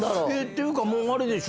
ていうかもうあれでしょ。